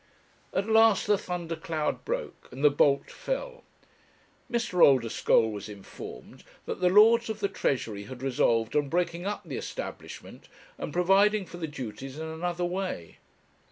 At last the thunder cloud broke and the bolt fell. Mr. Oldeschole was informed that the Lords of the Treasury had resolved on breaking up the establishment and providing for the duties in another way.